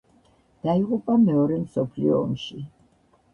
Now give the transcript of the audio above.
დაიღუპა მეორე მსოფლიო ომში.